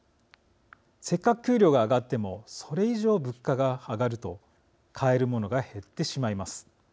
せっかく給料が上がってもそれ以上、物価が上がると買えるものが減ってしまいます。